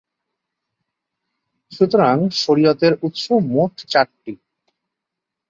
সুতরাং, শরিয়তের উৎস মোট চারটি।